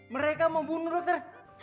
mereka membunuh dokter